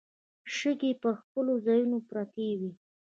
شګې پر خپلو ځايونو پرتې وې.